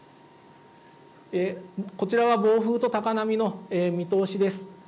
こちらは暴風と高波の見通しです。